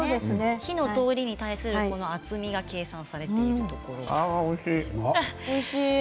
火の通りに対する厚みを計算されているおいしい。